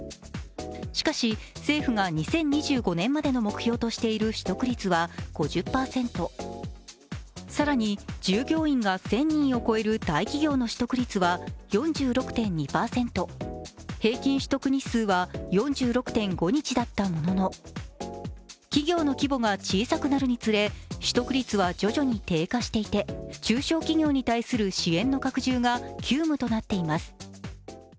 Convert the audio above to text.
しかし政府が２０２５年までの目標としている取得率は５０％、更に、従業員が１０００人を超える大企業の取得率は４６．２％平均取得日数は４６．５日だったものの企業の規模が小さくなるにつれ、取得率は徐々に低下していて中小企業に対する支援の拡充が急務となっています。